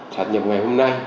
sát nhập ngày hôm nay